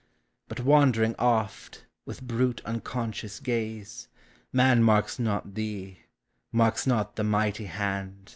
But wandering oft, with brute unconscious gaze, Man marks not thee, marks not the mighty hand.